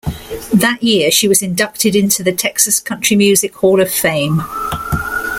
That year she was inducted into the Texas Country Music Hall of Fame.